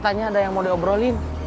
terima kasih ya boleh n og aylab